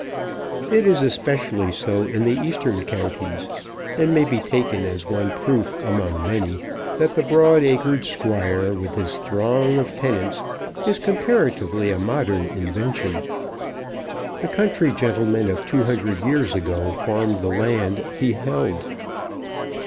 It is especially so in the eastern counties, and may be taken as one proof among many that the broad acred squire, with his throng of tenants, is comparatively a modern invention. The country gentleman of two hundred years ago farmed the land he held.